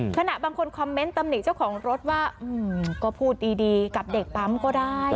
ขณะบางคนคอมเมนต์ตำหนิเจ้าของรถว่าก็พูดดีกับเด็กปั๊มก็ได้